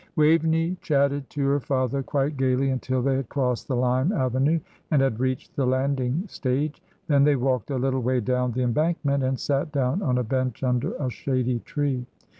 Waveney chatted to her father quite gaily until they had crossed the lime avenue, and had reached the landing stage. Then they walked a little way down the embankment, and sat down on a bench under a shady tree.